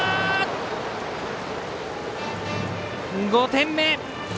５点目！